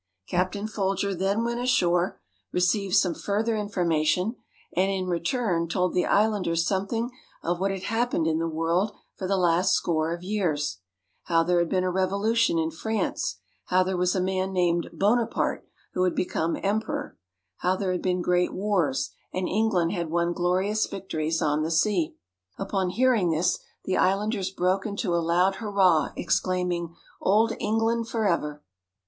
Captain Folger then went ashore, received some further information, and in return told the islanders something of what had happened in the world for the last score of years; how there had been a revolution in France; how 503 ISLANDS OF THE PACIFIC there was a man named Bonaparte who had become emperor; how there had been great wars; and England had won glorious victories on the sea. Upon hearing this, the islanders broke into a loud hurrah, exclaiming, "Old England forever!"